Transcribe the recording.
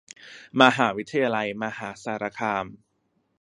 มหาวิทยาลัยมหาสารคาม